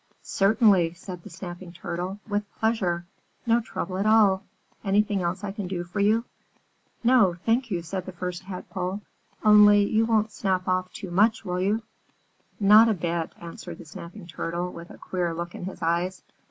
"Certainly," said the Snapping Turtle. "With pleasure! No trouble at all! Anything else I can do for you?" "No, thank you," said the First Tadpole, "only you won't snap off too much, will you?" "Not a bit," answered the Snapping Turtle, with a queer look in his eyes.